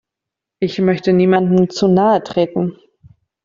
Ich möchte niemandem zu nahe treten.